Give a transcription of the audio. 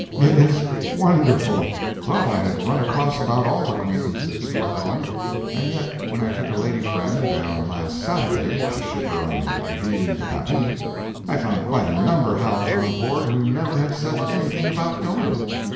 It is Wonderful! Thought I had run across about all acquaintances who were going, and yet when I took a lady friend down last Saturday, to ship her on the Ville de Paris, I found quite a number housed on board who never had said anything about going.